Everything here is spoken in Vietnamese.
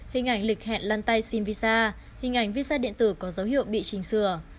hình ảnh lịch hẹn lăn tay xin visa hình ảnh visa điện tử có dấu hiệu bị chỉnh sửa